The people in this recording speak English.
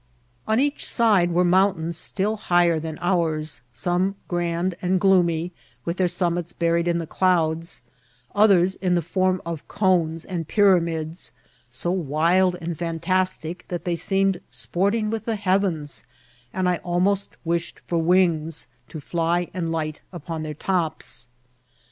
On each side were mountains still higher than ours, some grand and gloomy, with their summits buried in the clouds ; others in the form of cones and pyramids, so wild and fantastic that they seemed q>ort* ing with the heavens, and I almost wished for wings to fly and light upon their tops.